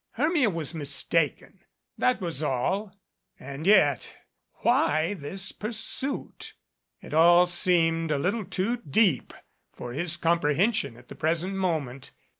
Hermia was mistaken that was all. And yet why this pursuit? It all seemed a little too deep for his comprehension at the present moment.